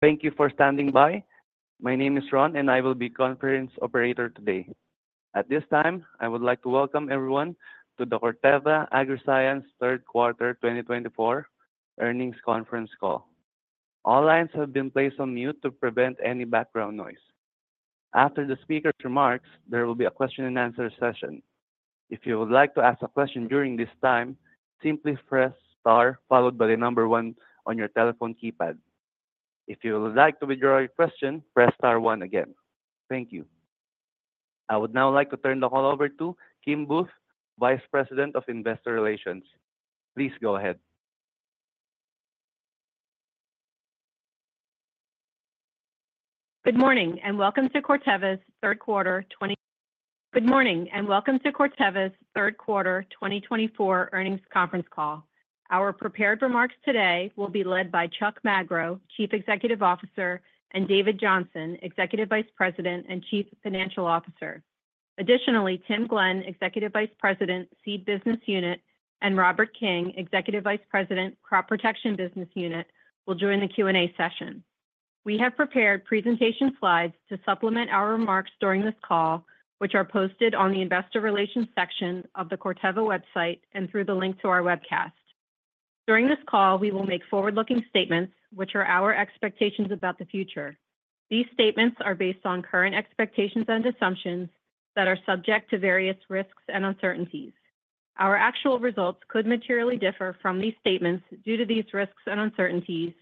Thank you for standing by. My name is Ron, and I will be the conference operator today. At this time, I would like to welcome everyone to the Corteva Agriscience Third Quarter 2024 earnings conference call. All lines have been placed on mute to prevent any background noise. After the speaker's remarks, there will be a question-and-answer session. If you would like to ask a question during this time, simply press Star followed by the number one on your telephone keypad. If you would like to withdraw your question, press Star one again. Thank you. I would now like to turn the call over to Kim Booth, Vice President of Investor Relations. Please go ahead. Good morning and welcome to Corteva's Third Quarter 2024 earnings conference call. Our prepared remarks today will be led by Chuck Magro, Chief Executive Officer, and David Johnson, Executive Vice President and Chief Financial Officer. Additionally, Tim Glenn, Executive Vice President, Seed Business Unit, and Robert King, Executive Vice President, Crop Protection Business Unit, will join the Q&A session. We have prepared presentation slides to supplement our remarks during this call, which are posted on the Investor Relations section of the Corteva website and through the link to our webcast. During this call, we will make forward-looking statements, which are our expectations about the future. These statements are based on current expectations and assumptions that are subject to various risks and uncertainties. Our actual results could materially differ from these statements due to these risks and uncertainties,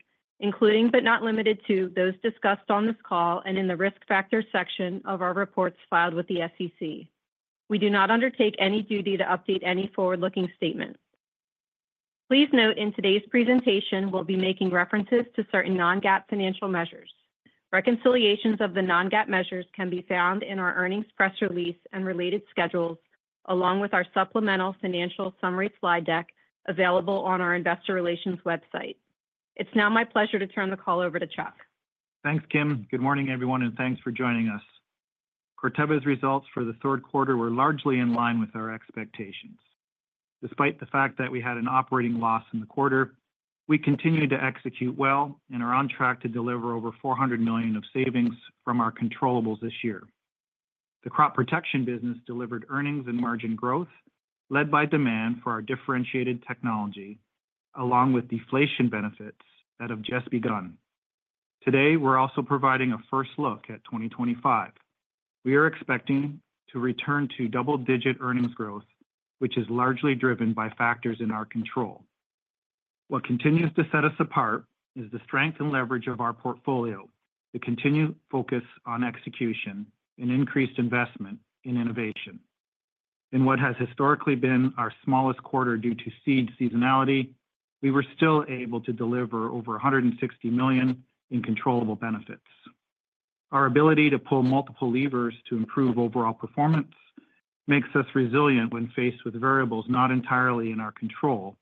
including but not limited to those discussed on this call and in the risk factors section of our reports filed with the SEC. We do not undertake any duty to update any forward-looking statements. Please note in today's presentation, we'll be making references to certain non-GAAP financial measures. Reconciliations of the non-GAAP measures can be found in our earnings press release and related schedules, along with our supplemental financial summary slide deck available on our Investor Relations website. It's now my pleasure to turn the call over to Chuck. Thanks, Kim. Good morning, everyone, and thanks for joining us. Corteva's results for the third quarter were largely in line with our expectations. Despite the fact that we had an operating loss in the quarter, we continued to execute well and are on track to deliver over $400 million of savings from our controllable this year. The crop protection business delivered earnings and margin growth led by demand for our differentiated technology, along with deflation benefits that have just begun. Today, we're also providing a first look at 2025. We are expecting to return to double-digit earnings growth, which is largely driven by factors in our control. What continues to set us apart is the strength and leverage of our portfolio, the continued focus on execution, and increased investment in innovation. In what has historically been our smallest quarter due to seed seasonality, we were still able to deliver over $160 million in controllable benefits. Our ability to pull multiple levers to improve overall performance makes us resilient when faced with variables not entirely in our control,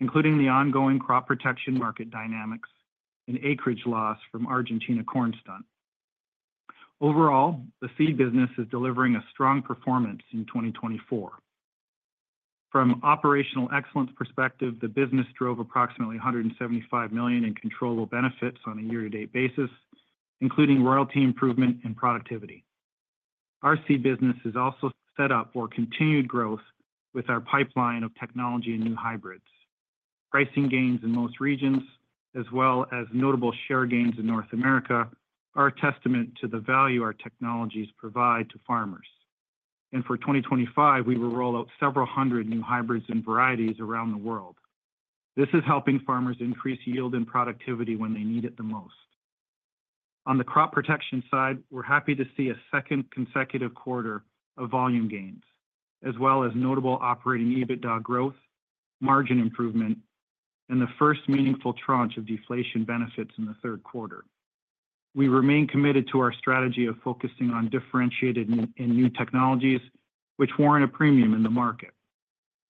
including the ongoing crop protection market dynamics and acreage loss from Argentina corn stunt. Overall, the seed business is delivering a strong performance in 2024. From an operational excellence perspective, the business drove approximately $175 million in controllable benefits on a year-to-date basis, including royalty improvement and productivity. Our seed business is also set up for continued growth with our pipeline of technology and new hybrids. Pricing gains in most regions, as well as notable share gains in North America, are a testament to the value our technologies provide to farmers. For 2025, we will roll out several hundred new hybrids and varieties around the world. This is helping farmers increase yield and productivity when they need it the most. On the crop protection side, we're happy to see a second consecutive quarter of volume gains, as well as notable operating EBITDA growth, margin improvement, and the first meaningful tranche of deflation benefits in the third quarter. We remain committed to our strategy of focusing on differentiated and new technologies, which warrant a premium in the market.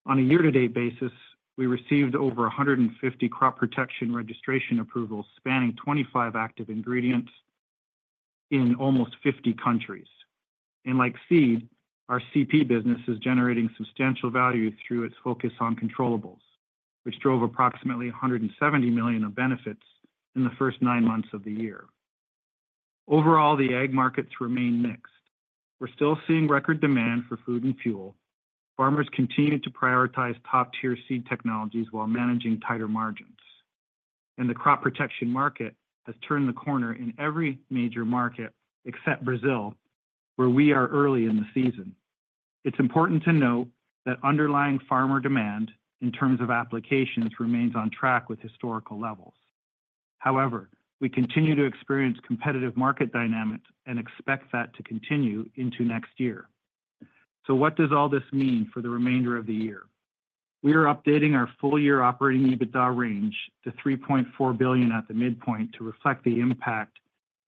On a year-to-date basis, we received over 150 crop protection registration approvals spanning 25 active ingredients in almost 50 countries. Like seed, our CP business is generating substantial value through its focus on controllables, which drove approximately $170 million of benefits in the first nine months of the year. Overall, the ag markets remain mixed. We're still seeing record demand for food and fuel. Farmers continue to prioritize top-tier seed technologies while managing tighter margins. And the crop protection market has turned the corner in every major market except Brazil, where we are early in the season. It's important to note that underlying farmer demand in terms of applications remains on track with historical levels. However, we continue to experience competitive market dynamics and expect that to continue into next year. So what does all this mean for the remainder of the year? We are updating our full-year operating EBITDA range to $3.4 billion at the midpoint to reflect the impact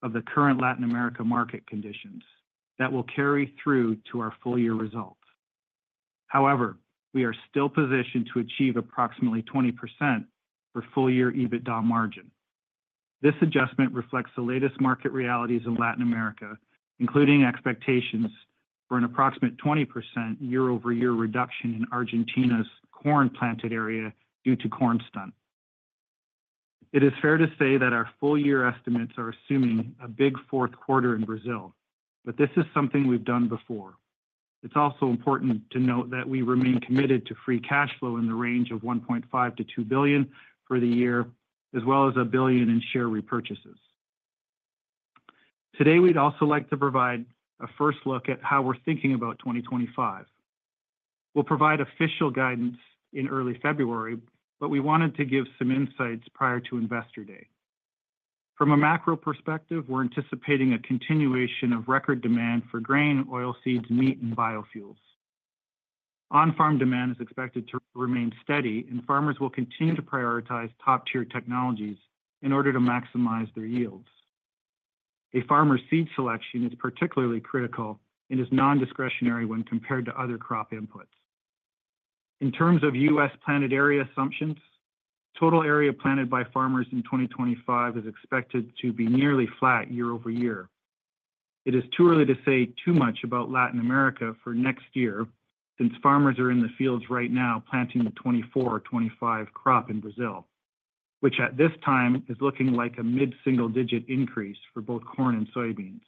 of the current Latin America market conditions that will carry through to our full-year results. However, we are still positioned to achieve approximately 20% for full-year EBITDA margin. This adjustment reflects the latest market realities in Latin America, including expectations for an approximate 20% year-over-year reduction in Argentina's corn planted area due to corn stunt. It is fair to say that our full-year estimates are assuming a big fourth quarter in Brazil, but this is something we've done before. It's also important to note that we remain committed to free cash flow in the range of $1.5-$2 billion for the year, as well as $1 billion in share repurchases. Today, we'd also like to provide a first look at how we're thinking about 2025. We'll provide official guidance in early February, but we wanted to give some insights prior to Investor Day. From a macro perspective, we're anticipating a continuation of record demand for grain, oilseeds, meat, and biofuels. On-farm demand is expected to remain steady, and farmers will continue to prioritize top-tier technologies in order to maximize their yields. A farmer's seed selection is particularly critical and is non-discretionary when compared to other crop inputs. In terms of U.S. planted area assumptions, total area planted by farmers in 2025 is expected to be nearly flat year-over-year. It is too early to say too much about Latin America for next year since farmers are in the fields right now planting the 2024-2025 crop in Brazil, which at this time is looking like a mid-single-digit increase for both corn and soybeans.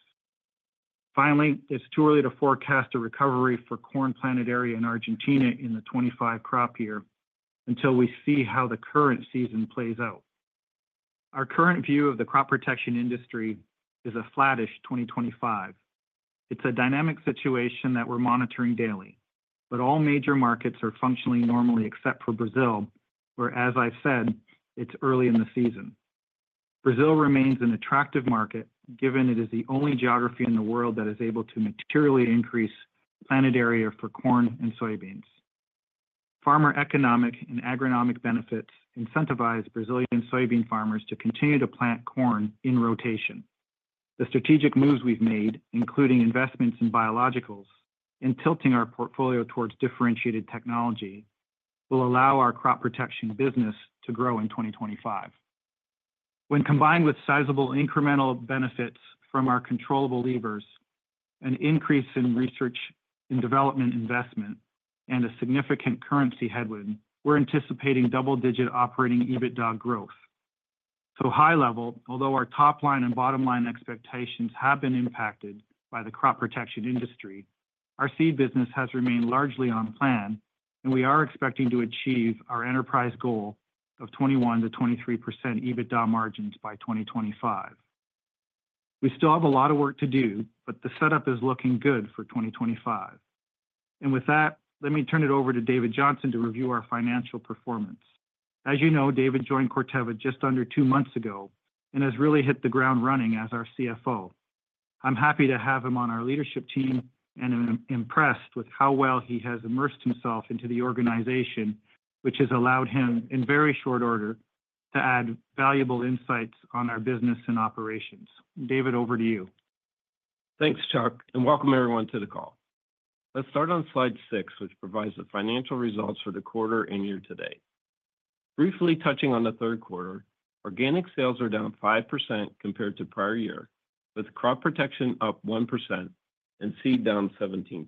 Finally, it's too early to forecast a recovery for corn planted area in Argentina in the 2025 crop year until we see how the current season plays out. Our current view of the crop protection industry is a flattish 2025. It's a dynamic situation that we're monitoring daily, but all major markets are functioning normally except for Brazil, where, as I've said, it's early in the season. Brazil remains an attractive market given it is the only geography in the world that is able to materially increase planted area for corn and soybeans. Farmer economic and agronomic benefits incentivize Brazilian soybean farmers to continue to plant corn in rotation. The strategic moves we've made, including investments in biologicals and tilting our portfolio towards differentiated technology, will allow our crop protection business to grow in 2025. When combined with sizable incremental benefits from our controllable levers, an increase in research and development investment, and a significant currency headwind, we're anticipating double-digit operating EBITDA growth. So high level, although our top line and bottom line expectations have been impacted by the crop protection industry, our seed business has remained largely on plan, and we are expecting to achieve our enterprise goal of 21%-23% EBITDA margins by 2025. We still have a lot of work to do, but the setup is looking good for 2025. And with that, let me turn it over to David Johnson to review our financial performance. As you know, David joined Corteva just under two months ago and has really hit the ground running as our CFO. I'm happy to have him on our leadership team and impressed with how well he has immersed himself into the organization, which has allowed him, in very short order, to add valuable insights on our business and operations. David, over to you. Thanks, Chuck, and welcome everyone to the call. Let's start on slide six, which provides the financial results for the quarter and year-to-date. Briefly touching on the third quarter, organic sales are down 5% compared to prior year, with crop protection up 1% and seed down 17%.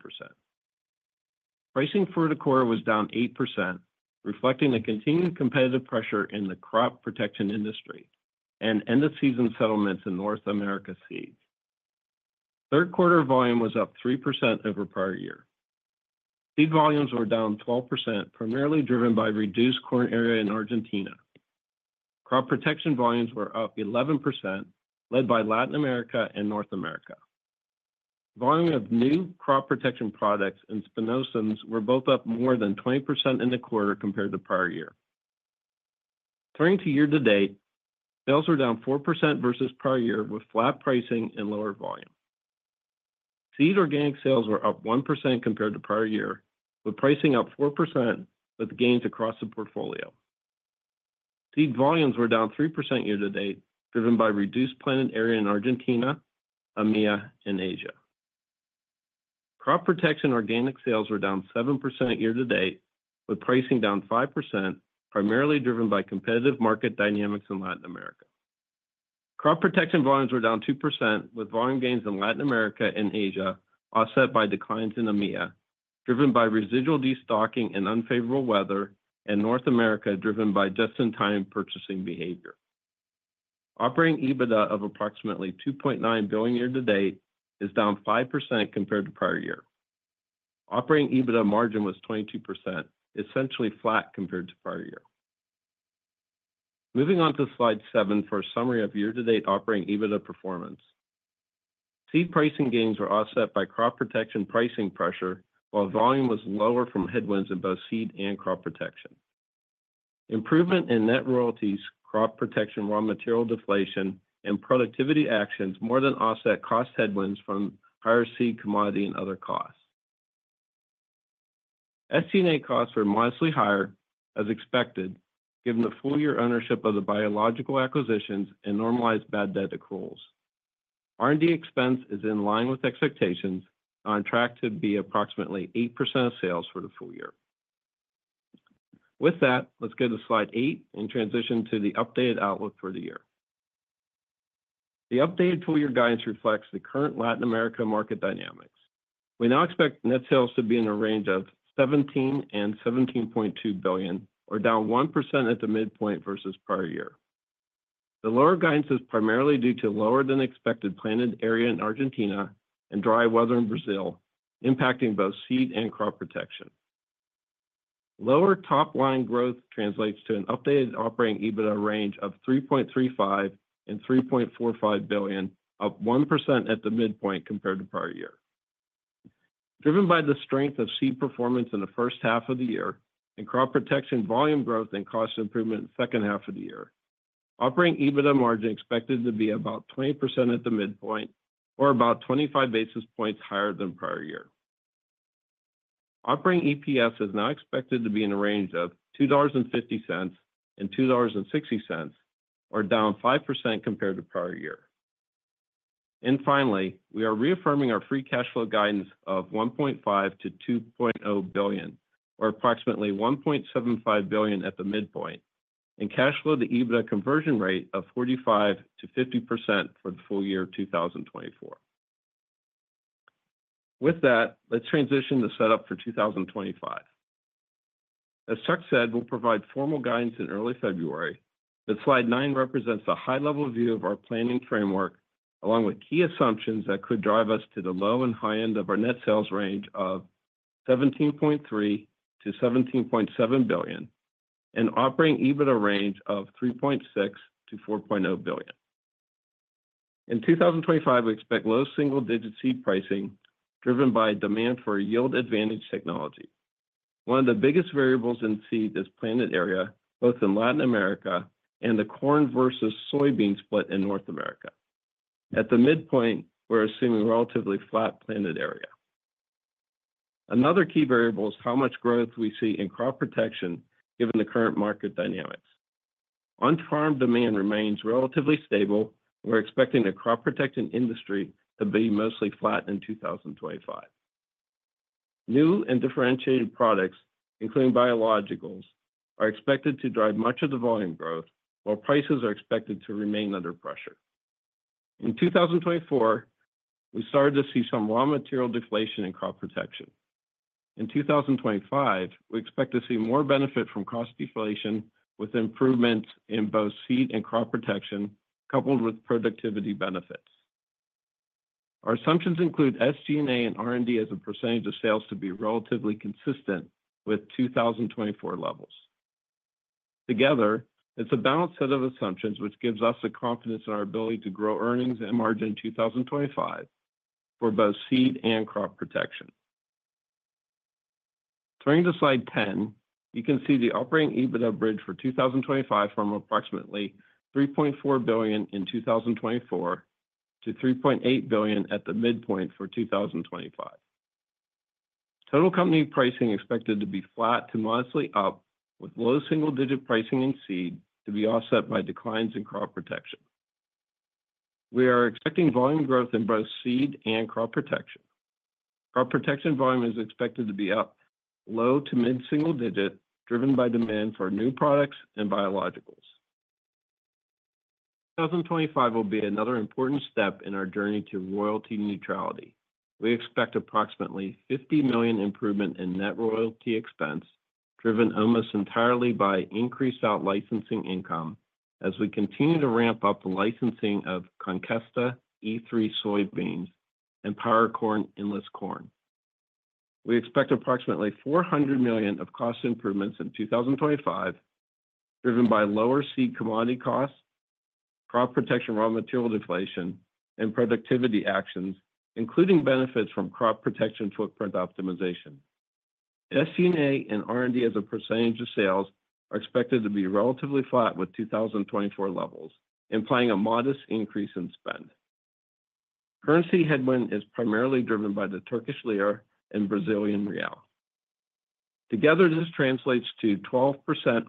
Pricing for the quarter was down 8%, reflecting the continued competitive pressure in the crop protection industry and end-of-season settlements in North America seeds. Third quarter volume was up 3% over prior year. Seed volumes were down 12%, primarily driven by reduced corn area in Argentina. Crop protection volumes were up 11%, led by Latin America and North America. Volume of new crop protection products and spinosyns were both up more than 20% in the quarter compared to prior year. Turning to year-to-date, sales were down 4% versus prior year, with flat pricing and lower volume. Seed organic sales were up 1% compared to prior year, with pricing up 4% with gains across the portfolio. Seed volumes were down 3% year-to-date, driven by reduced planted area in Argentina, EMEA, and Asia. Crop protection organic sales were down 7% year-to-date, with pricing down 5%, primarily driven by competitive market dynamics in Latin America. Crop protection volumes were down 2%, with volume gains in Latin America and Asia offset by declines in EMEA, driven by residual destocking and unfavorable weather, and North America driven by just-in-time purchasing behavior. Operating EBITDA of approximately $2.9 billion year-to-date is down 5% compared to prior year. Operating EBITDA margin was 22%, essentially flat compared to prior year. Moving on to slide seven for a summary of year-to-date operating EBITDA performance. Seed pricing gains were offset by crop protection pricing pressure, while volume was lower from headwinds in both seed and crop protection. Improvement in net royalties, crop protection raw material deflation, and productivity actions more than offset cost headwinds from higher seed commodity and other costs. SG&A costs were modestly higher, as expected, given the full-year ownership of the biological acquisitions and normalized bad debt accruals. R&D expense is in line with expectations and on track to be approximately 8% of sales for the full year. With that, let's go to slide eight and transition to the updated outlook for the year. The updated full-year guidance reflects the current Latin America market dynamics. We now expect net sales to be in a range of $17-$17.2 billion, or down 1% at the midpoint versus prior year. The lower guidance is primarily due to lower-than-expected planted area in Argentina and dry weather in Brazil, impacting both seed and crop protection. Lower top-line growth translates to an updated operating EBITDA range of $3.35-$3.45 billion, up 1% at the midpoint compared to prior year. Driven by the strength of seed performance in the first half of the year and crop protection volume growth and cost improvement in the second half of the year, operating EBITDA margin expected to be about 20% at the midpoint, or about 25 basis points higher than prior year. Operating EPS is now expected to be in a range of $2.50-$2.60, or down 5% compared to prior year. And finally, we are reaffirming our free cash flow guidance of $1.5-$2.0 billion, or approximately $1.75 billion at the midpoint, and cash flow to EBITDA conversion rate of 45%-50% for the full year 2024. With that, let's transition to setup for 2025. As Chuck said, we'll provide formal guidance in early February. But slide nine represents a high-level view of our planning framework, along with key assumptions that could drive us to the low and high end of our net sales range of $17.3-$17.7 billion and operating EBITDA range of $3.6-$4.0 billion. In 2025, we expect low single-digit seed pricing driven by demand for yield advantage technology. One of the biggest variables in seed is planted area, both in Latin America and the corn versus soybean split in North America. At the midpoint, we're assuming relatively flat planted area. Another key variable is how much growth we see in crop protection given the current market dynamics. On-farm demand remains relatively stable, and we're expecting the crop protection industry to be mostly flat in 2025. New and differentiated products, including biologicals, are expected to drive much of the volume growth, while prices are expected to remain under pressure. In 2024, we started to see some raw material deflation in crop protection. In 2025, we expect to see more benefit from cost deflation with improvements in both seed and crop protection, coupled with productivity benefits. Our assumptions include SG&A and R&D as a percentage of sales to be relatively consistent with 2024 levels. Together, it's a balanced set of assumptions, which gives us the confidence in our ability to grow earnings and margin in 2025 for both seed and crop protection. Turning to slide 10, you can see the operating EBITDA bridge for 2025 from approximately $3.4 billion in 2024 to $3.8 billion at the midpoint for 2025. Total company pricing expected to be flat to modestly up, with low single-digit pricing in seed to be offset by declines in crop protection. We are expecting volume growth in both seed and crop protection. Crop protection volume is expected to be up low to mid-single digit, driven by demand for new products and biologicals. 2025 will be another important step in our journey to royalty neutrality. We expect approximately $50 million improvement in net royalty expense, driven almost entirely by increased out-licensing income as we continue to ramp up the licensing of Conkesta E3 soybeans and PowerCore Enlist. We expect approximately $400 million of cost improvements in 2025, driven by lower seed commodity costs, crop protection raw material deflation, and productivity actions, including benefits from crop protection footprint optimization. SG&A and R&D as a percentage of sales are expected to be relatively flat with 2024 levels, implying a modest increase in spend. Currency headwind is primarily driven by the Turkish lira and Brazilian real. Together, this translates to 12%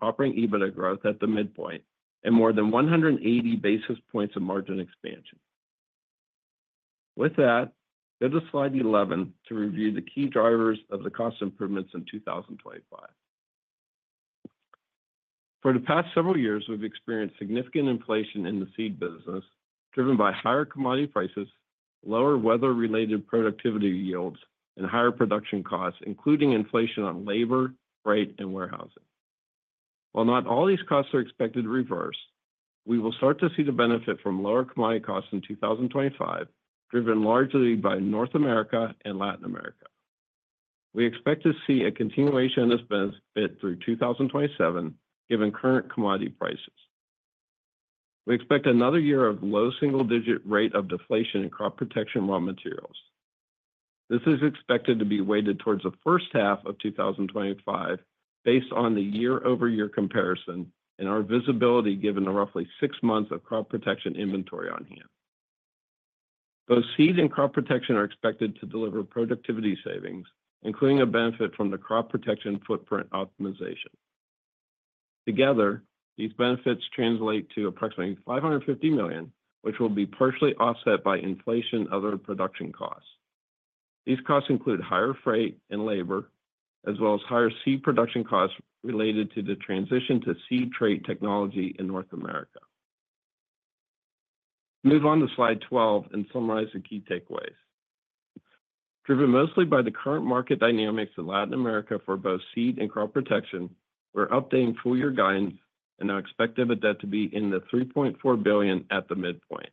operating EBITDA growth at the midpoint and more than 180 basis points of margin expansion. With that, go to slide 11 to review the key drivers of the cost improvements in 2025. For the past several years, we've experienced significant inflation in the seed business, driven by higher commodity prices, lower weather-related productivity yields, and higher production costs, including inflation on labor, freight, and warehousing. While not all these costs are expected to reverse, we will start to see the benefit from lower commodity costs in 2025, driven largely by North America and Latin America. We expect to see a continuation of this benefit through 2027, given current commodity prices. We expect another year of low single-digit rate of deflation in crop protection raw materials. This is expected to be weighted towards the first half of 2025, based on the year-over-year comparison and our visibility given roughly six months of crop protection inventory on hand. Both seed and crop protection are expected to deliver productivity savings, including a benefit from the crop protection footprint optimization. Together, these benefits translate to approximately $550 million, which will be partially offset by inflation and other production costs. These costs include higher freight and labor, as well as higher seed production costs related to the transition to seed trait technology in North America. Move on to slide 12 and summarize the key takeaways. Driven mostly by the current market dynamics in Latin America for both seed and crop protection, we're updating full-year guidance and now expect EBITDA to be in the $3.4 billion at the midpoint.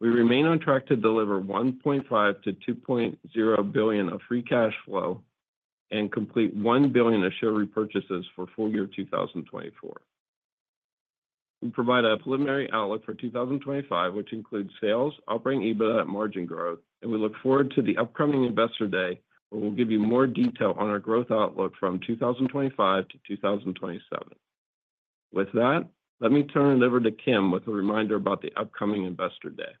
We remain on track to deliver $1.5-$2.0 billion of free cash flow and complete $1 billion of share repurchases for full year 2024. We provide a preliminary outlook for 2025, which includes sales, operating EBITDA, and margin growth, and we look forward to the upcoming Investor Day, where we'll give you more detail on our growth outlook from 2025 to 2027. With that, let me turn it over to Kim with a reminder about the upcoming Investor Day.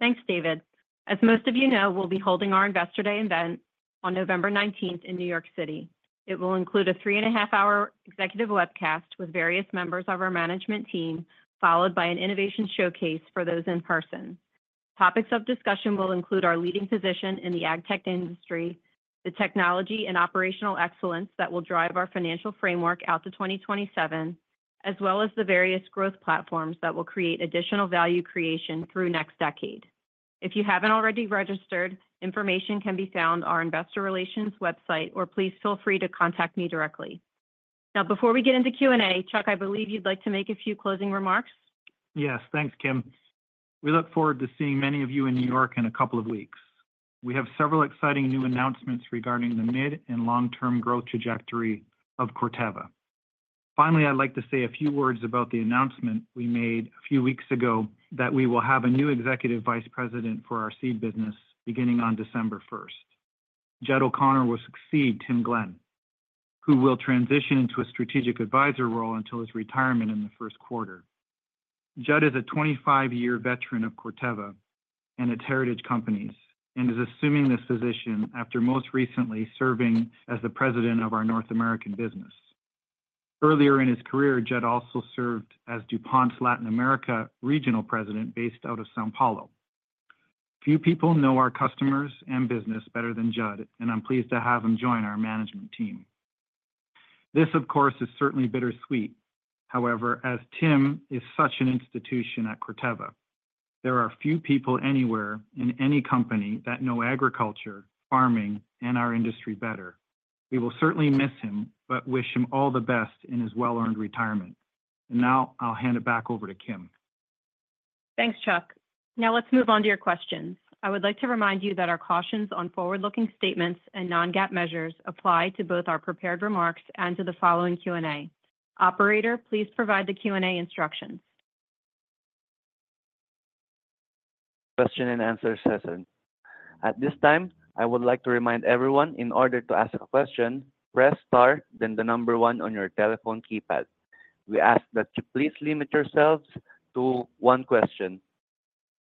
Thanks, David. As most of you know, we'll be holding our Investor Day event on November 19 in New York City. It will include a three-and-a-half-hour executive webcast with various members of our management team, followed by an innovation showcase for those in person. Topics of discussion will include our leading position in the agtech industry, the technology and operational excellence that will drive our financial framework out to 2027, as well as the various growth platforms that will create additional value creation through next decade. If you haven't already registered, information can be found on our investor relations website, or please feel free to contact me directly. Now, before we get into Q&A, Chuck, I believe you'd like to make a few closing remarks. Yes, thanks, Kim. We look forward to seeing many of you in New York in a couple of weeks. We have several exciting new announcements regarding the mid- and long-term growth trajectory of Corteva. Finally, I'd like to say a few words about the announcement we made a few weeks ago that we will have a new Executive Vice President for our seed business beginning on December 1. Judd O'Connor will succeed Tim Glenn, who will transition into a strategic advisor role until his retirement in the first quarter. Judd is a 25-year veteran of Corteva and its heritage companies and is assuming this position after most recently serving as the President of our North American business. Earlier in his career, Judd also served as DuPont's Latin America regional President based out of São Paulo. Few people know our customers and business better than Judd, and I'm pleased to have him join our management team. This, of course, is certainly bittersweet. However, as Tim is such an institution at Corteva, there are few people anywhere in any company that know agriculture, farming, and our industry better. We will certainly miss him, but wish him all the best in his well-earned retirement. And now I'll hand it back over to Kim. Thanks, Chuck. Now let's move on to your questions. I would like to remind you that our cautions on forward-looking statements and Non-GAAP measures apply to both our prepared remarks and to the following Q&A. Operator, please provide the Q&A instructions. question-and-answer session. At this time, I would like to remind everyone in order to ask a question, press star, then the number one on your telephone keypad. We ask that you please limit yourselves to one question.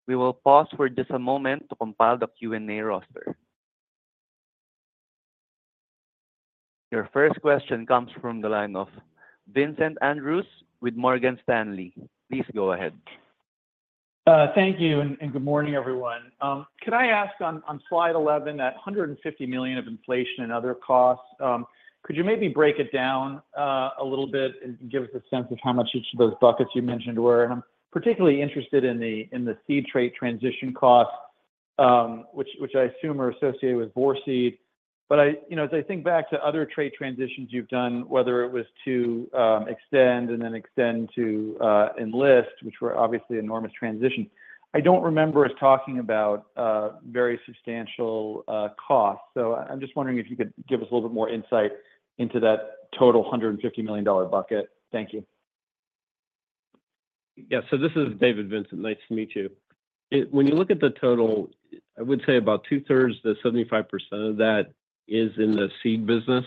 We will pause for just a moment to compile the Q&A roster. Your first question comes from the line of Vincent Andrews with Morgan Stanley. Please go ahead. Thank you, and good morning, everyone. Could I ask on slide 11 that $150 million of inflation and other costs, could you maybe break it down a little bit and give us a sense of how much each of those buckets you mentioned were? And I'm particularly interested in the seed trait transition costs, which I assume are associated with Vorceed. But as I think back to other trait transitions you've done, whether it was to extend and then extend to Enlist, which were obviously enormous transitions, I don't remember us talking about very substantial costs. So I'm just wondering if you could give us a little bit more insight into that total $150 million bucket. Thank you. Yeah, so this is David, Vincent. Nice to meet you. When you look at the total, I would say about two-thirds, the 75% of that is in the seed business.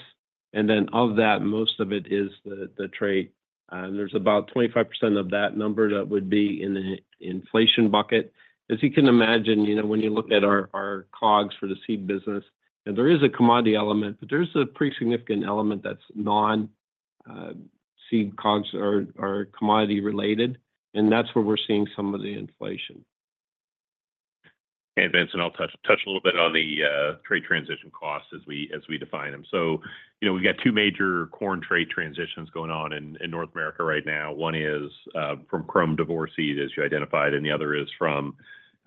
And then of that, most of it is the trade. And there's about 25% of that number that would be in the inflation bucket. As you can imagine, when you look at our COGS for the seed business, there is a commodity element, but there's a pretty significant element that's non-seed COGS or commodity-related. And that's where we're seeing some of the inflation. Hey, Vincent, I'll touch a little bit on the trait transition costs as we define them. So we've got two major corn trait transitions going on in North America right now. One is from Qrome to Vorceed, as you identified, and the other is from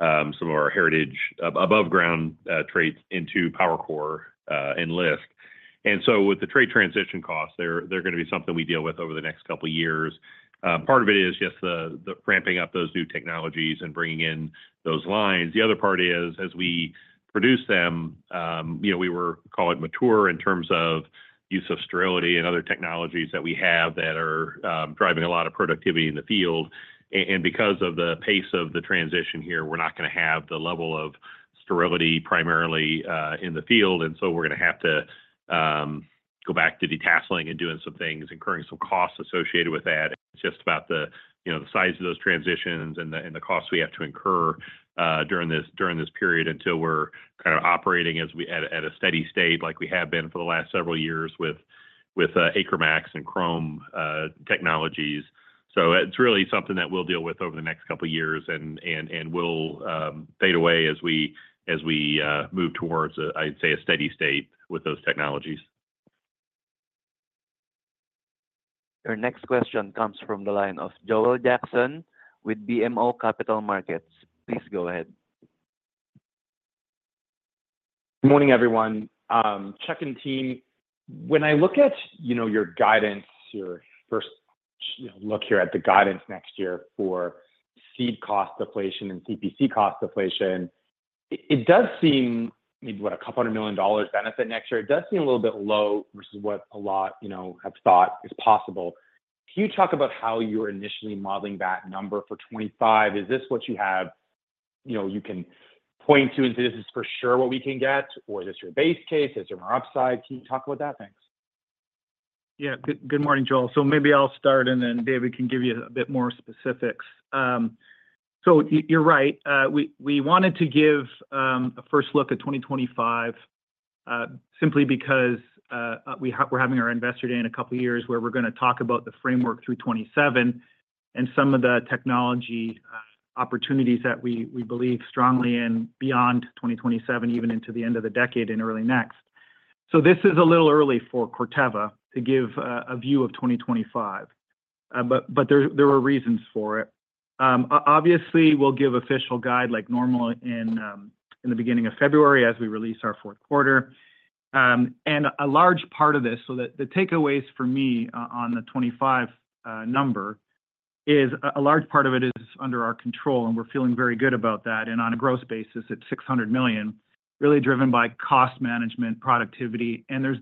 some of our heritage above-ground traits into PowerCore Enlist. And so with the trait transition costs, they're going to be something we deal with over the next couple of years. Part of it is just the ramping up those new technologies and bringing in those lines. The other part is, as we produce them, we call them mature in terms of use of sterility and other technologies that we have that are driving a lot of productivity in the field. And because of the pace of the transition here, we're not going to have the level of sterility primarily in the field. And so we're going to have to go back to detasseling and doing some things and incurring some costs associated with that. It's just about the size of those transitions and the costs we have to incur during this period until we're kind of operating at a steady state like we have been for the last several years with AcreMax and Qrome technologies. So it's really something that we'll deal with over the next couple of years, and we'll fade away as we move towards, I'd say, a steady state with those technologies. Our next question comes from the line of Joel Jackson with BMO Capital Markets. Please go ahead. Good morning, everyone. Chuck and team, when I look at your guidance, your first look here at the guidance next year for seed cost deflation and CPC cost deflation, it does seem maybe what, a $200 million benefit next year. It does seem a little bit low versus what a lot have thought is possible. Can you talk about how you were initially modeling that number for 2025? Is this what you have, you can point to and say, "This is for sure what we can get"? Or is this your base case? Is there more upside? Can you talk about that? Thanks. Yeah, good morning, Joel. So maybe I'll start, and then David can give you a bit more specifics. So you're right. We wanted to give a first look at 2025 simply because we're having our investor day in a couple of years where we're going to talk about the framework through 2027 and some of the technology opportunities that we believe strongly in beyond 2027, even into the end of the decade and early next. So this is a little early for Corteva to give a view of 2025, but there are reasons for it. Obviously, we'll give official guide like normal in the beginning of February as we release our fourth quarter. And a large part of this, so the takeaways for me on the 2025 number is a large part of it is under our control, and we're feeling very good about that. And on a gross basis, it's $600 million, really driven by cost management, productivity, and there's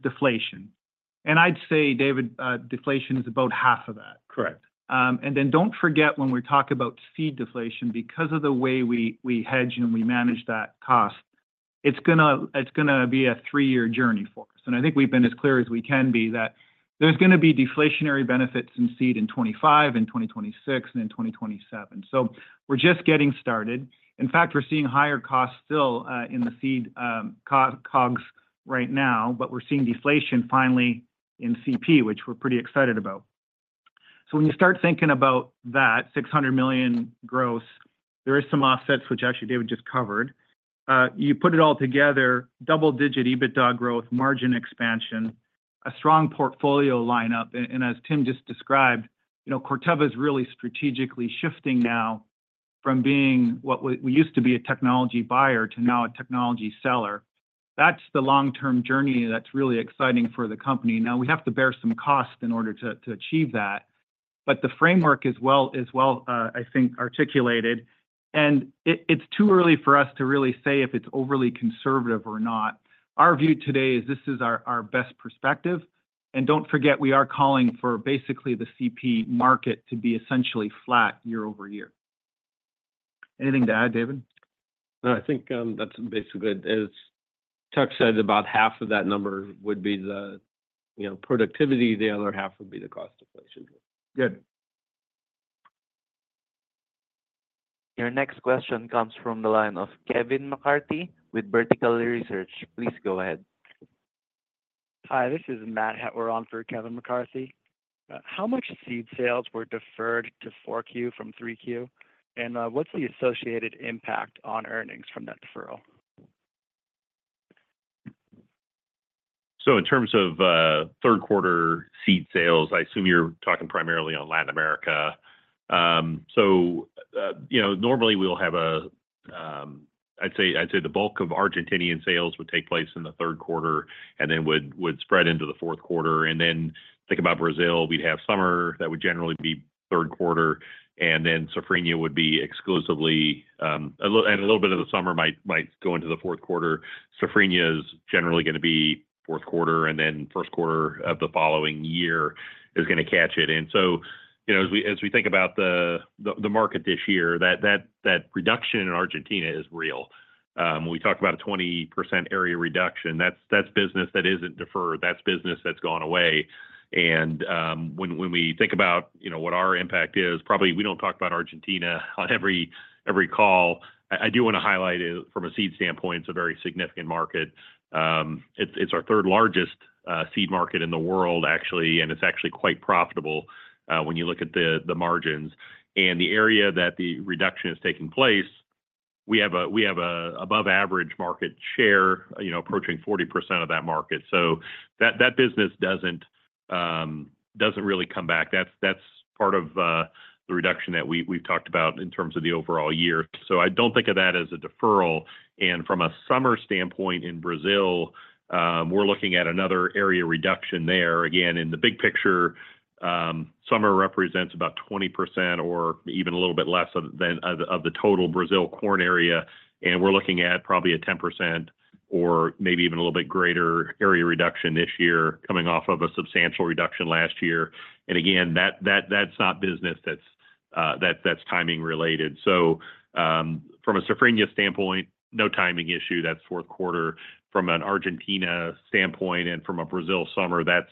deflation. And I'd say, David, deflation is about half of that. Correct. And then don't forget when we talk about seed deflation, because of the way we hedge and we manage that cost, it's going to be a three-year journey for us. And I think we've been as clear as we can be that there's going to be deflationary benefits in seed in 2025, in 2026, and in 2027. So we're just getting started. In fact, we're seeing higher costs still in the seed COGS right now, but we're seeing deflation finally in CP, which we're pretty excited about. So when you start thinking about that, $600 million gross, there are some offsets, which actually David just covered. You put it all together, double-digit EBITDA growth, margin expansion, a strong portfolio lineup. And as Tim just described, Corteva is really strategically shifting now from being what we used to be a technology buyer to now a technology seller. That's the long-term journey that's really exciting for the company. Now, we have to bear some costs in order to achieve that. But the framework is well, I think, articulated. And it's too early for us to really say if it's overly conservative or not. Our view today is this is our best perspective. And don't forget, we are calling for basically the CP market to be essentially flat year-over-year. Anything to add, David? No, I think that's basically it. As Chuck said, about half of that number would be the productivity. The other half would be the cost deflation. Good. Your next question comes from the line of Kevin McCarthy with Vertical Research. Please go ahead. Hi, this is Matt Hettwer on for Kevin McCarthy. How much seed sales were deferred to 4Q from 3Q, and what's the associated impact on earnings from that deferral? So in terms of third-quarter seed sales, I assume you're talking primarily on Latin America. So normally, we'll have, I'd say the bulk of Argentinian sales would take place in the third quarter and then would spread into the fourth quarter. And then think about Brazil. We'd have summer that would generally be third quarter. And then Safrinha would be exclusively, and a little bit of the summer might go into the fourth quarter. Safrinha is generally going to be fourth quarter, and then first quarter of the following year is going to catch it. And so as we think about the market this year, that reduction in Argentina is real. When we talk about a 20% area reduction, that's business that isn't deferred. That's business that's gone away. And when we think about what our impact is, probably we don't talk about Argentina on every call. I do want to highlight it from a seed standpoint. It's a very significant market. It's our third largest seed market in the world, actually, and it's actually quite profitable when you look at the margins, and the area that the reduction is taking place, we have an above-average market share approaching 40% of that market, so that business doesn't really come back. That's part of the reduction that we've talked about in terms of the overall year, so I don't think of that as a deferral, and from a summer standpoint in Brazil, we're looking at another area reduction there. Again, in the big picture, summer represents about 20% or even a little bit less of the total Brazil corn area, and we're looking at probably a 10% or maybe even a little bit greater area reduction this year coming off of a substantial reduction last year. And again, that's not business that's timing related. So from a safrinha standpoint, no timing issue. That's fourth quarter. From an Argentina standpoint and from a Brazil summer, that's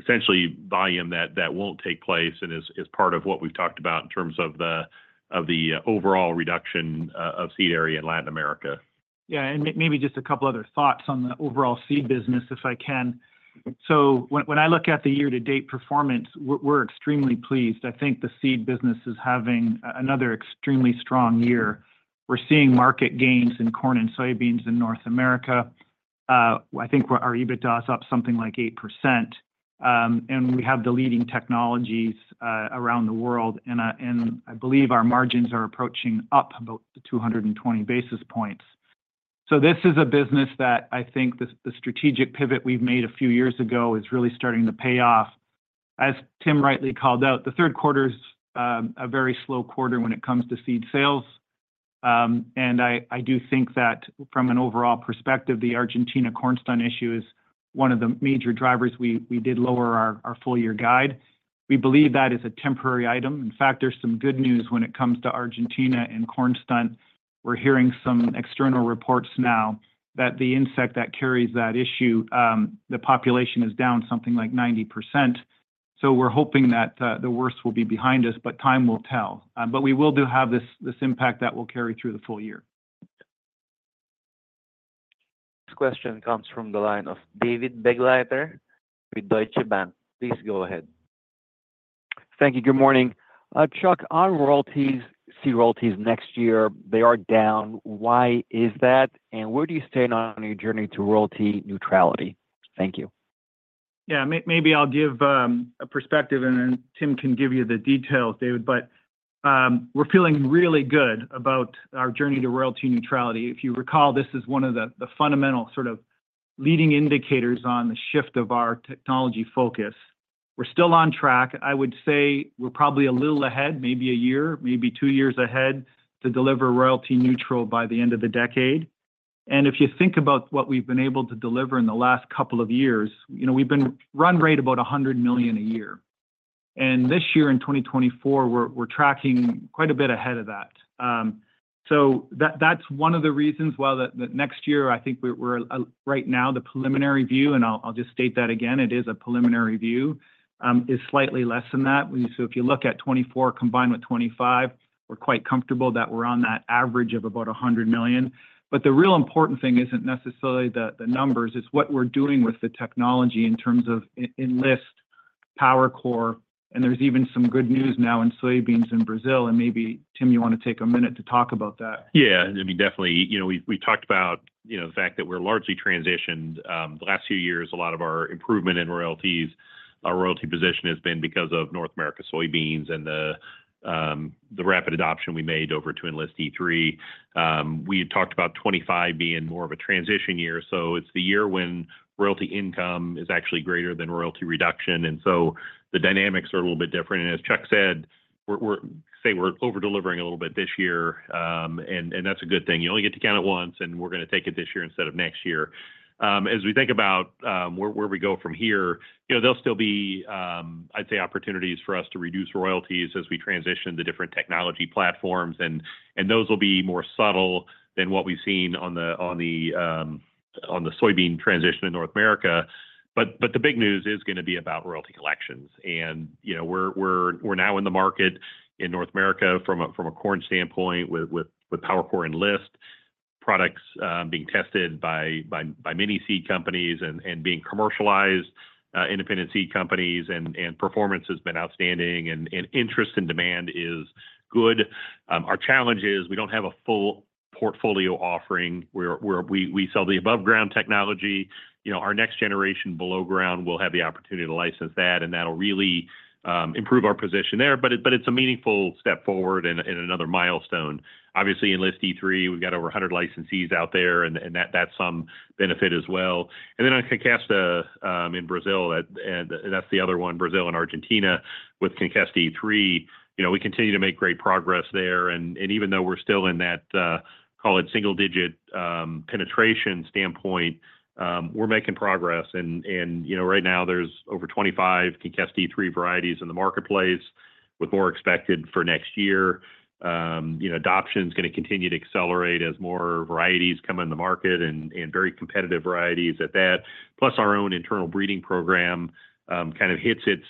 essentially volume that won't take place and is part of what we've talked about in terms of the overall reduction of seed area in Latin America. Yeah, and maybe just a couple other thoughts on the overall seed business, if I can. So when I look at the year-to-date performance, we're extremely pleased. I think the seed business is having another extremely strong year. We're seeing market gains in corn and soybeans in North America. I think our EBITDA is up something like 8%. And we have the leading technologies around the world. And I believe our margins are approaching up about 220 basis points. So this is a business that I think the strategic pivot we've made a few years ago is really starting to pay off. As Tim rightly called out, the third quarter is a very slow quarter when it comes to seed sales. And I do think that from an overall perspective, the Argentina corn stunt issue is one of the major drivers. We did lower our full-year guide. We believe that is a temporary item. In fact, there's some good news when it comes to Argentina and corn stunt. We're hearing some external reports now that the insect that carries that issue, the population is down something like 90%. So we're hoping that the worst will be behind us, but time will tell. But we do have this impact that will carry through the full year. This question comes from the line of David Begleiter with Deutsche Bank. Please go ahead. Thank you. Good morning. Chuck, our royalties, seed royalties next year, they are down. Why is that? And where do you stand on your journey to royalty neutrality? Thank you. Yeah, maybe I'll give a perspective, and then Tim can give you the details, David, but we're feeling really good about our journey to royalty neutrality. If you recall, this is one of the fundamental sort of leading indicators on the shift of our technology focus. We're still on track. I would say we're probably a little ahead, maybe a year, maybe two years ahead to deliver royalty neutral by the end of the decade, and if you think about what we've been able to deliver in the last couple of years, we've been run rate about $100 million a year, and this year in 2024, we're tracking quite a bit ahead of that, so that's one of the reasons why the next year, I think we're right now, the preliminary view, and I'll just state that again, it is a preliminary view, is slightly less than that. So if you look at 2024 combined with 2025, we're quite comfortable that we're on that average of about $100 million. But the real important thing isn't necessarily the numbers. It's what we're doing with the technology in terms of Enlist, PowerCore. And there's even some good news now in soybeans in Brazil. And maybe, Tim, you want to take a minute to talk about that. Yeah, I mean, definitely. We talked about the fact that we're largely transitioned. The last few years, a lot of our improvement in royalties, our royalty position has been because of North America soybeans and the rapid adoption we made over to Enlist E3. We had talked about 2025 being more of a transition year. So it's the year when royalty income is actually greater than royalty reduction. And so the dynamics are a little bit different. And as Chuck said, say we're over-delivering a little bit this year. And that's a good thing. You only get to count it once, and we're going to take it this year instead of next year. As we think about where we go from here, there'll still be, I'd say, opportunities for us to reduce royalties as we transition the different technology platforms. Those will be more subtle than what we've seen on the soybean transition in North America. The big news is going to be about royalty collections. We're now in the market in North America from a corn standpoint with PowerCore Enlist products being tested by many seed companies and being commercialized, independent seed companies. Performance has been outstanding, and interest and demand is good. Our challenge is we don't have a full portfolio offering. We sell the above-ground technology. Our next generation below-ground will have the opportunity to license that, and that'll really improve our position there. It's a meaningful step forward and another milestone. Obviously, Enlist E3, we've got over 100 licensees out there, and that's some benefit as well. Then on Conkesta in Brazil, that's the other one, Brazil and Argentina with Conkesta E3. We continue to make great progress there. And even though we're still in that, call it single-digit penetration standpoint, we're making progress. And right now, there's over 25 Conkesta E3 varieties in the marketplace with more expected for next year. Adoption is going to continue to accelerate as more varieties come in the market and very competitive varieties at that. Plus, our own internal breeding program kind of hits its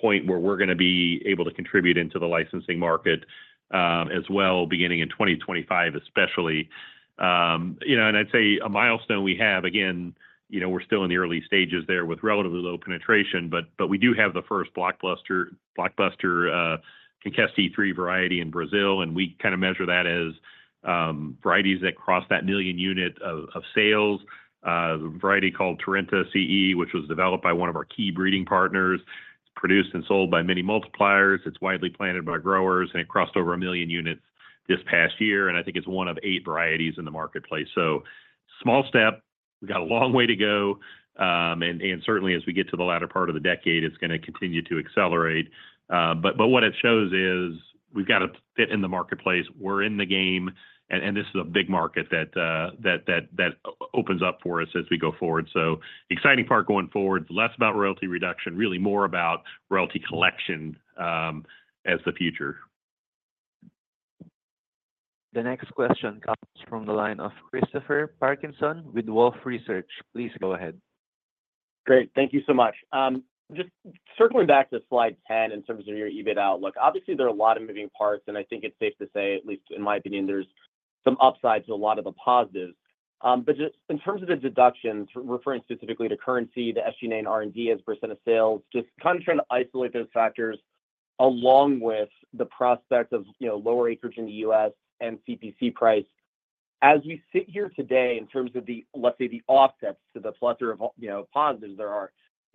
point where we're going to be able to contribute into the licensing market as well, beginning in 2025, especially. And I'd say a milestone we have, again, we're still in the early stages there with relatively low penetration, but we do have the first blockbuster Conkesta E3 variety in Brazil. And we kind of measure that as varieties that cross that million unit of sales. A variety called Tarenta, CE, which was developed by one of our key breeding partners. It's produced and sold by many multipliers. It's widely planted by growers, and it crossed over a million units this past year, and I think it's one of eight varieties in the marketplace, so small step. We've got a long way to go, and certainly, as we get to the latter part of the decade, it's going to continue to accelerate, but what it shows is we've got to fit in the marketplace. We're in the game, and this is a big market that opens up for us as we go forward, so exciting part going forward, less about royalty reduction, really more about royalty collection as the future. The next question comes from the line of Christopher Parkinson with Wolfe Research. Please go ahead. Great. Thank you so much. Just circling back to slide 10 in terms of your EBIT outlook. Obviously, there are a lot of moving parts, and I think it's safe to say, at least in my opinion, there's some upside to a lot of the positives. But just in terms of the deductions, referring specifically to currency, the SG&A and R&D as % of sales, just kind of trying to isolate those factors along with the prospect of lower acreage in the U.S. and CPC price. As we sit here today in terms of the, let's say, the offsets to the plethora of positives there are,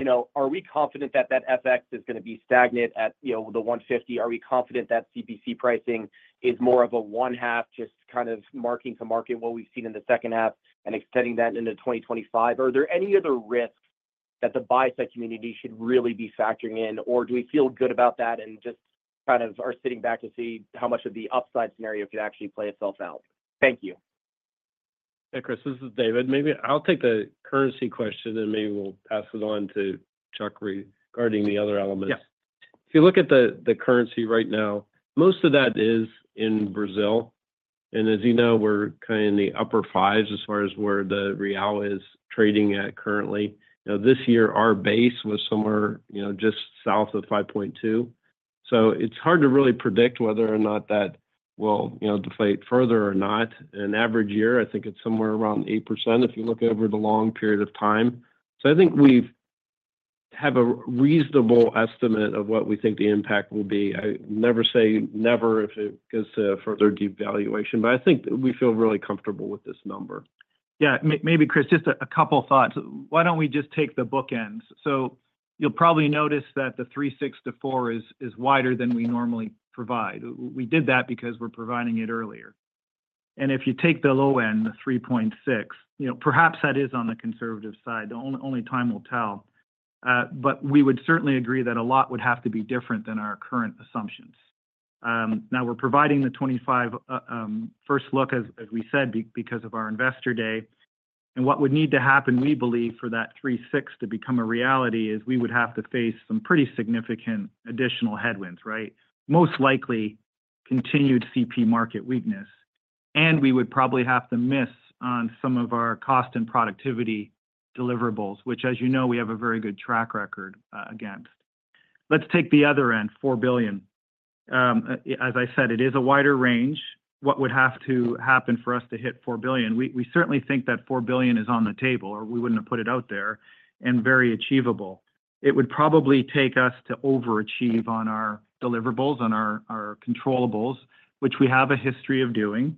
are we confident that that FX is going to be stagnant at the 150? Are we confident that CPC pricing is more of a one-half, just kind of marking to market what we've seen in the second half and extending that into 2025? Are there any other risks that the buy-side community should really be factoring in? Or do we feel good about that and just kind of are sitting back to see how much of the upside scenario could actually play itself out? Thank you. Hey, Chris, this is David. Maybe I'll take the currency question, and maybe we'll pass it on to Chuck regarding the other elements. If you look at the currency right now, most of that is in Brazil. And as you know, we're kind of in the upper fives as far as where the real is trading at currently. This year, our base was somewhere just south of 5.2. So it's hard to really predict whether or not that will deflate further or not. An average year, I think it's somewhere around 8% if you look over the long period of time. So I think we have a reasonable estimate of what we think the impact will be. I never say never if it goes to a further devaluation, but I think we feel really comfortable with this number. Yeah. Maybe, Chris, just a couple of thoughts. Why don't we just take the bookends? So you'll probably notice that the 3.6-4 is wider than we normally provide. We did that because we're providing it earlier. And if you take the low end, the 3.6, perhaps that is on the conservative side. Only time will tell. But we would certainly agree that a lot would have to be different than our current assumptions. Now, we're providing the 2025 first look, as we said, because of our investor day. And what would need to happen, we believe, for that 3.6 to become a reality is we would have to face some pretty significant additional headwinds, right? Most likely continued CP market weakness. And we would probably have to miss on some of our cost and productivity deliverables, which, as you know, we have a very good track record against. Let's take the other end, $4 billion. As I said, it is a wider range. What would have to happen for us to hit $4 billion? We certainly think that $4 billion is on the table, or we wouldn't have put it out there, and very achievable. It would probably take us to overachieve on our deliverables, on our controllables, which we have a history of doing.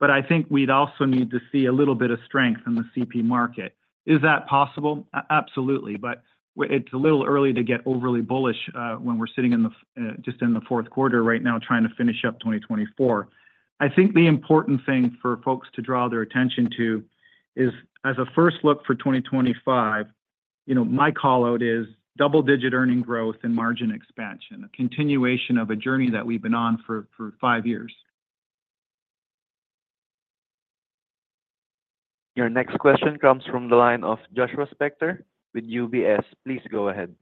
But I think we'd also need to see a little bit of strength in the CP market. Is that possible? Absolutely. But it's a little early to get overly bullish when we're sitting just in the fourth quarter right now trying to finish up 2024. I think the important thing for folks to draw their attention to is, as a first look for 2025, my callout is double-digit earnings growth and margin expansion, a continuation of a journey that we've been on for five years. Your next question comes from the line of Joshua Spector with UBS. Please go ahead.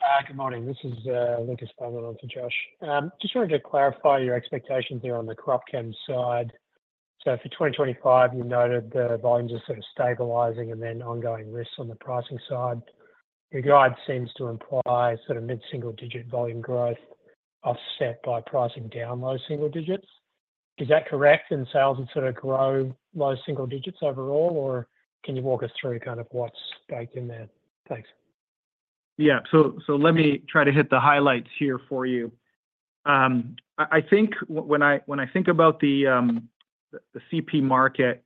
Hi, good morning. This is Lucas Pagliarotto with Josh. Just wanted to clarify your expectations here on the crop chem side. So for 2025, you noted the volumes are sort of stabilizing and then ongoing risks on the pricing side. Your guide seems to imply sort of mid-single-digit volume growth offset by pricing down low single digits. Is that correct, and sales would sort of grow low single digits overall, or can you walk us through kind of what's baked in there? Thanks. Yeah, so let me try to hit the highlights here for you. I think when I think about the CP market,